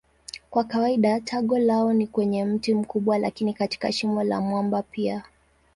Kwa kawaida tago lao ni kwenye mti mkubwa lakini katika shimo la mwamba pia.